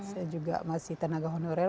saya juga masih tenaga honorer